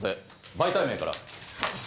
媒体名から。